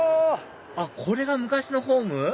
あっこれが昔のホーム？